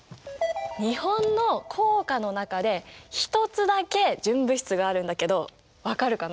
日本の硬貨の中で１つだけ純物質があるんだけど分かるかな？